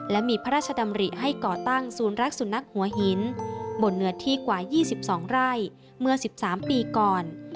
และมีพระราชดำริให้ก่อตั้งศูนย์รักสุนัขหัวหินบนเนื้อที่กว่า๒๒ไร่เมื่อ๑๓ปีก่อน